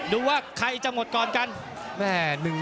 ดูว่าใครจะหมดก่อนกัน